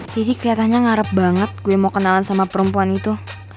jadi keliatannya ngarep banget gue mau kenalan sama perempuan itu